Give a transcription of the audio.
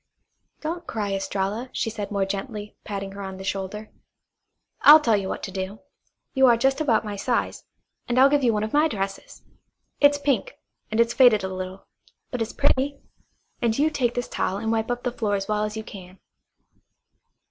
"Don't cry, Estralla," she said more gently, patting her on the shoulder. "I'll tell you what to do. You are just about my size, and I'll give you one of my dresses. It's pink, and it's faded a little, but it's pretty. And you take this towel and wipe up the floor as well as you can.